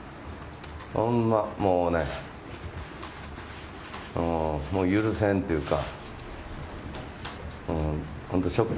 ほんまもう許せんっていうか。